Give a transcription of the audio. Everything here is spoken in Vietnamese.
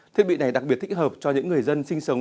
thiết bị này đặc biệt thích hợp cho những người dân sinh sống